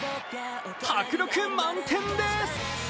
迫力満点です。